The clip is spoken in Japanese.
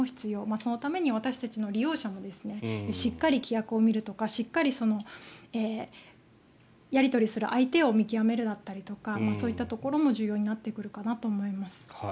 そのために私たち利用者もしっかり規約を見るとかしっかり、やり取りする相手を見極めるだったりとかそういったところも重要になってくるかなと思います。